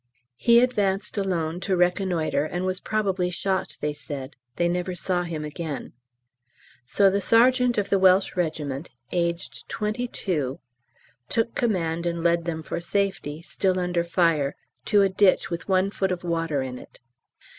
He advanced alone to reconnoitre and was probably shot, they said they never saw him again. So the Sergt. of the W.R. (aged 22!) took command and led them for safety, still under fire, to a ditch with one foot of water in it.